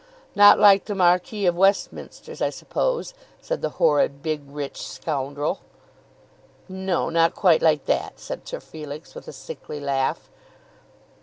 "Not like the Marquis of Westminster's, I suppose," said the horrid, big, rich scoundrel. "No; not quite like that," said Sir Felix, with a sickly laugh.